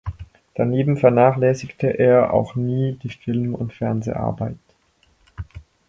Daneben vernachlässigte er auch nie die Film- und Fernseharbeit.